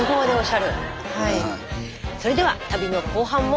それでは旅の後半も。